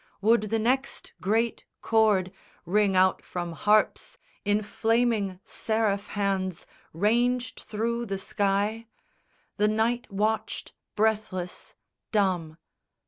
Would the next great chord Ring out from harps in flaming seraph hands Ranged through the sky? The night watched, breathless, dumb.